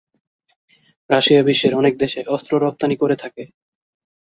Russia বিশ্বের অনেক দেশে অস্ত্র রপ্তানি করে থাকে।